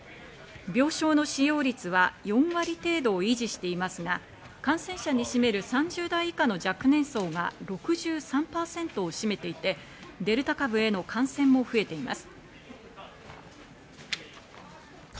病床の使用率は４割程度を維持していますが、感染者に占める３０代以下の若年層が６３％を占めていて、デルタ株への感染も増えています。